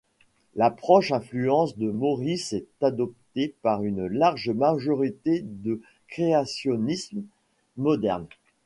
L'approche influence de Morris est adoptée par une large majorité de créationnistes modernes.